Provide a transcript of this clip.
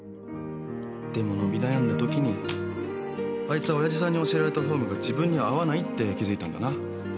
でも伸び悩んだときにあいつは親父さんに教えられたフォームが自分には合わないって気付いたんだな。